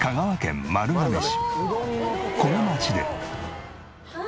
この町で。